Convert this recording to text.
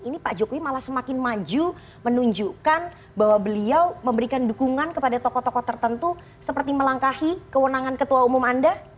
ini pak jokowi malah semakin maju menunjukkan bahwa beliau memberikan dukungan kepada tokoh tokoh tertentu seperti melangkahi kewenangan ketua umum anda